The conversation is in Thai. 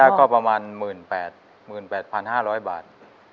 รายได้ก็ประมาณ๑๘๕๐๐บาท